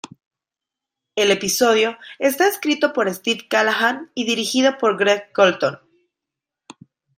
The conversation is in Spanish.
El episodio está escrito por Steve Callaghan y dirigido por Greg Colton.